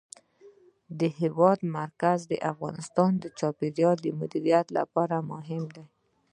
د هېواد مرکز د افغانستان د چاپیریال د مدیریت لپاره مهم دي.